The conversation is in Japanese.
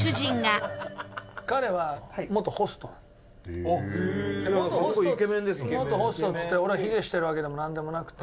長嶋：元ホストっつって俺は卑下してるわけでもなんでもなくて。